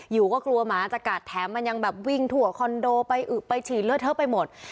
อยู่ก็กลัวหมาจะกัดแถมมันยังแบบวิ่งถั่วคอนโดไปอึกไปฉีดเลือดเทอะไปหมด